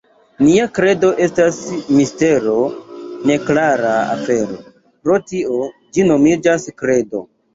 Nia kredo estas mistero, neklara afero; pro tio ĝi nomiĝas kredo.